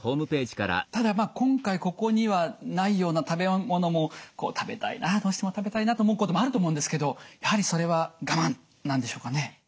ただ今回ここにはないような食べ物も食べたいなどうしても食べたいなと思うこともあると思うんですけどやはりそれは我慢なんでしょうかね？